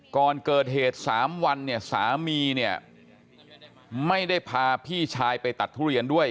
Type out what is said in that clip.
ก่อนเกิดเหตุ๓วันเนี่ยสามีเนี่ยไม่ได้พาพี่ชายไปตัดทุเรียนด้วย